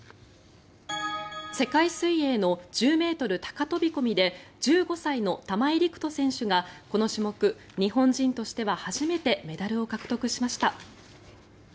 世界水泳の１０ｍ高飛込で１５歳の玉井陸斗選手がこの種目、日本人としては初めてメダルを獲得しました。